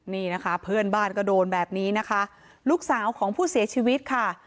นี่นะคะเพื่อนบ้านก็โดนแบบนี้นะคะลูกสาวของผู้เสียชีวิตค่ะ